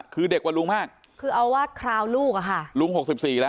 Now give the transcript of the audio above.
คือเด็กกว่าลุงมากคือเอาว่าคราวลูกอ่ะค่ะลุงหกสิบสี่แล้ว